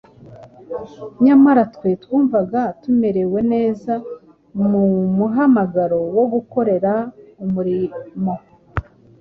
Nyamara twe twumvaga tumerewe neza mu muhamagaro wo gukorera umurimo